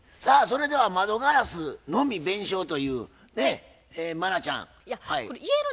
さあそれでは窓ガラスのみ弁償というね茉奈ちゃんはい。